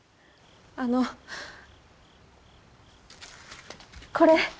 あのこれ。